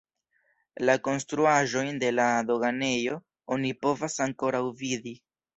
La konstruaĵojn de la doganejo oni povas ankoraŭ vidi.